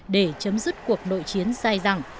để chấm dứt cuộc nội chiến dài dặn